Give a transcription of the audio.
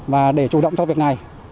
và để chủ động cho việc này